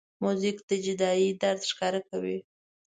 موزیک د جدایۍ درد ښکاره کوي.